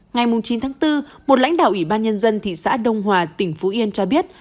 ngày chín tháng bốn một lãnh đạo ủy ban nhân dân thị xã đông hòa tỉnh phú yên cho biết